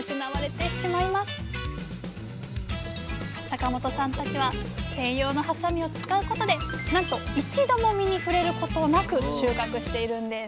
坂本さんたちは専用のはさみを使うことでなんと一度も実に触れることなく収穫しているんです。